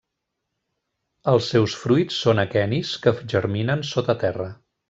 Els seus fruits són aquenis que germinen sota terra.